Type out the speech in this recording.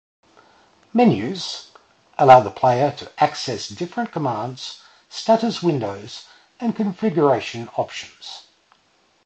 "Menus" allow the player to access different commands, status windows, and configuration options.